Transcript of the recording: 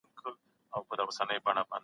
ټولنیز علوم د بشر د تاریخ لویه برخه ده.